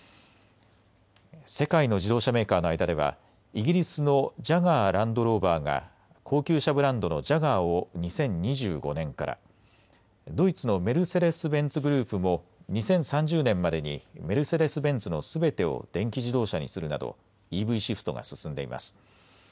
世界の自動車メーカーの間ではイギリスのジャガー・ランドローバーが高級車ブランドのジャガーを２０２５年から、ドイツのメルセデス・ベンツグループも２０３０年までにメルセデス・ベンツのすべてを電気自動車にするなどＥＶシフトが進んでいます。